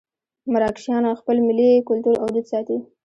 مراکشیان خپل ملي کولتور او دود ساتي.